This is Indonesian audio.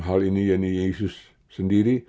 hal ini yeni yesus sendiri